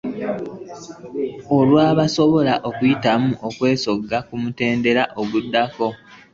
Olwo basobole okuyitamu okwesogga ku mutendera oguddako.